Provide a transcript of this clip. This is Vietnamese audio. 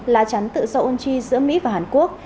là tránh tự do ôn chi giữa mỹ và hàn quốc